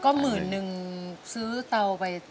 ก็หมื่นนึงซื้อเตาไป